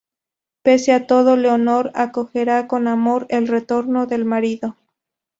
Pese a todo, Leonor acogerá con amor el retorno del marido.